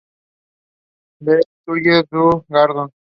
Les Salles-du-Gardon